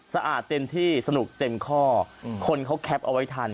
สะอาดเต็มที่สนุกเต็มข้อคนเขาแคปเอาไว้ทัน